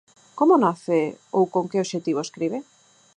Como nace ou con que obxectivo escribe?